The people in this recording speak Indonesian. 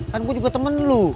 kan gue juga temen lu